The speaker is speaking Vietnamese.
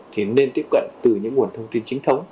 thì nên tiếp cận từ những nguồn thông tin chính thống